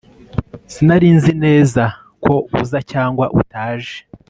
Sinari nzi neza ko uza cyangwa utaje